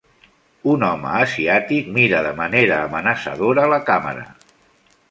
un home asiàtic mira de manera amenaçadora a la càmera.